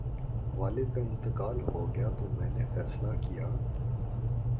والد کا انتقال ہو گیا تو میں نے فیصلہ کیا